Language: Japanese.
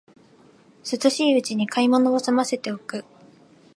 涼しいうちに買い物をすませておく